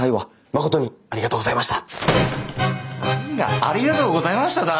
何が「ありがとうございました」だ？